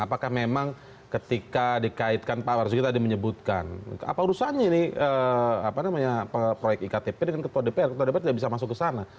apakah memang ketika dikaitkan pak marsudi tadi menyebutkan apa urusannya ini proyek iktp dengan ketua dpr ketua dpr tidak bisa masuk ke sana